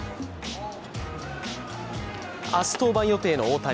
明日、登板予定の大谷。